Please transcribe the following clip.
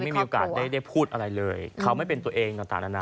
แล้วเขาเองไม่มีโอกาสได้พูดอะไรเลยเขาไม่เป็นตัวเองต่าง